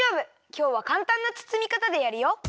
きょうはかんたんなつつみかたでやるよ。